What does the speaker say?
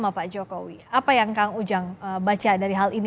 apa yang ujang baca dari hal ini